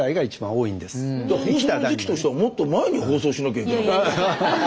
放送の時期としてはもっと前に放送しなきゃいけない。